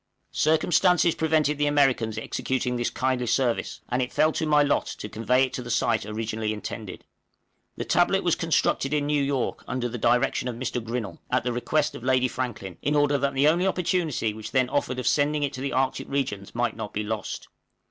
Circumstances prevented the Americans executing this kindly service, and it fell to my lot to convey it to the site originally intended. The tablet was constructed in New York, under the direction of Mr. Grinnell, at the request of Lady Franklin, in order that the only opportunity which then offered of sending it to the Arctic regions might not be lost.